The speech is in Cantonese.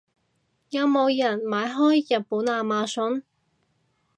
有冇人買開日本亞馬遜？